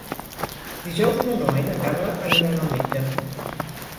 Dijous na Noa i na Carla aniran al metge.